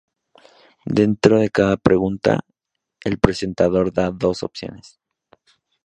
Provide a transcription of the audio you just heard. Dentro de cada pregunta, el presentador da dos opciones.